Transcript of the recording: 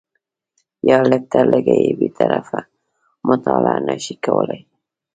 یا لږ تر لږه بې طرفه مطالعه نه شي کولای